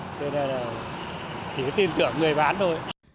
nên là chỉ tin tưởng người bán thôi